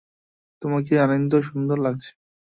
তোমাকে অনিন্দ্য সুন্দর লাগছে।